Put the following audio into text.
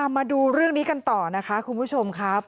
มาดูเรื่องนี้กันต่อนะคะคุณผู้ชมครับ